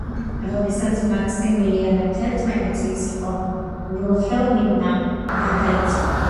როდესაც მაქსიმილიანა თერთმეტი წლის იყო, ვილჰელმინა გარდაიცვალა.